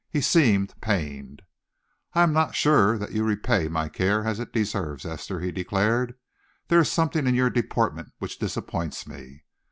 He seemed pained. "I am not sure that you repay my care as it deserves, Esther," he declared. "There is something in your deportment which disappoints me.